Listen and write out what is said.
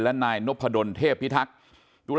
และนายนพดลเทพิทักษ์